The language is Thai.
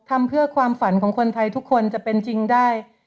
ทำเพื่อความฝันของคนไทยทุกคนจะเป็นจริงได้